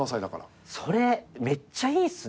それめっちゃいいっすね。